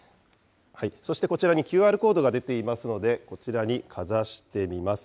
そしてこちらにＱＲコードが出ていますので、こちらにかざしてみます。